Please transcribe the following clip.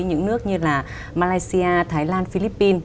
những nước như là malaysia thái lan philippines